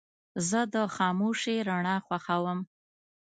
زه د خاموشې رڼا خوښوم.